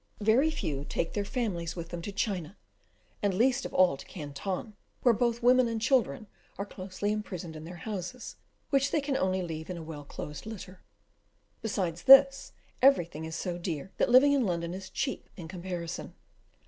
Very few take their families with them to China, and least of all to Canton, where both women and children are closely imprisoned in their houses, which they can only leave in a well closed litter. Besides this, everything is so dear, that living in London is cheap in comparison.